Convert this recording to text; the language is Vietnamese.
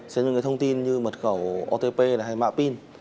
xem những cái thông tin như mật khẩu otp hay mạng pin